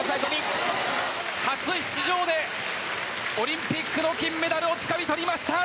初出場でオリンピックの金メダルをつかみとりました！